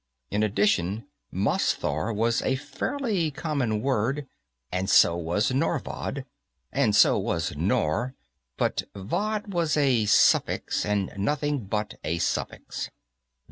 In addition, masthar was a fairly common word, and so was norvod, and so was nor, but _ vod_ was a suffix and nothing but a suffix.